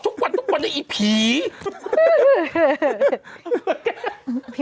เป็นการกระตุ้นการไหลเวียนของเลือด